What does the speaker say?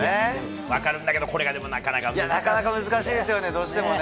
分かるんだけど、これがまたなかなか難しいですよね、どうしてもね。